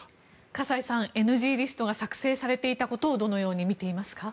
河西さん、ＮＧリストが作成されていたことをどのように見ていますか？